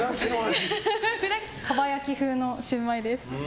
かば焼き風のシウマイです。